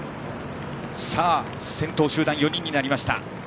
先頭集団４人になりました。